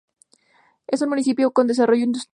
Es un municipio con desarrollo industrial.